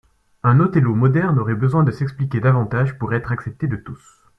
Un Othello moderne aurait besoin de s’expliquer davantage pour être accepté de tous.